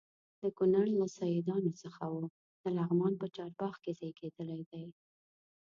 د کونړ له سیدانو څخه و د لغمان په چارباغ کې زیږېدلی دی.